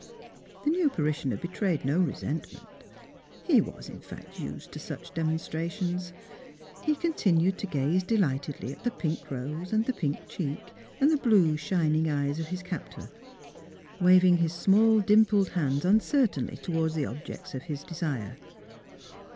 The new parishioner betrayed no resentment. He was, in fact, used to such demonstrations. He continued to gaze delightedly at the pink rose and the pink cheeks and the blue shining eyes of his captor, waving his small, dimpled hands uncer tainly toward the objects of his desire.